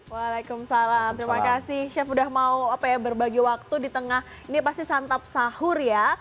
waalaikumsalam terima kasih chef udah mau berbagi waktu di tengah ini pasti santap sahur ya